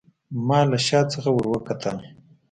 ما له شا څخه وروکتل.